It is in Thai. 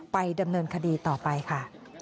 ไปดำเนินคดีต่อไปค่ะ